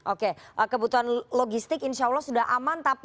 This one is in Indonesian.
oke kebutuhan logistik insya allah sudah aman